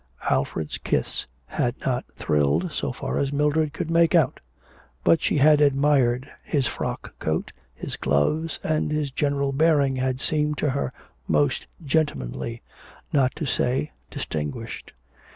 Alfred's kiss had not thrilled, so far as Mildred could make out. But she had admired his frock coat, his gloves, and his general bearing had seemed to her most gentlemanly, not to say distinguished.